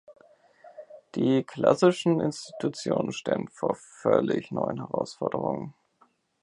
Die klassischen Institutionen stehen vor völlig neuen Herausforderungen.